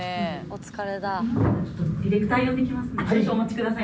「お疲れだ」